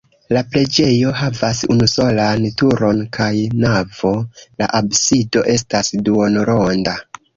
La preĝejo havas unusolan turon kaj navon, la absido estas duonronda.